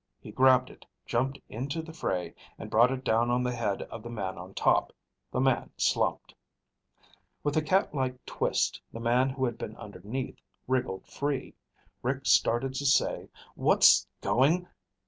He grabbed it, jumped into the fray, and brought it down on the head of the man on top. The man slumped. With a catlike twist the man who had been underneath wriggled free. Rick started to say, "What's going..."